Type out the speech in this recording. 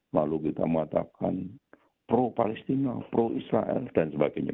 lalu kita mengatakan pro palestina pro israel dan sebagainya